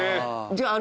じゃあ。